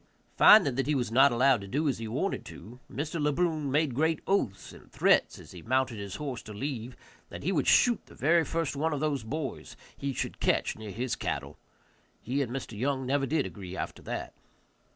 Finding that he was not allowed to do as he wanted to, Mr. Le Brun made great oaths and threats as he mounted his horse to leave, that he would shoot the very first one of those boys he should catch near his cattle. He and Mr. Young never did agree after that.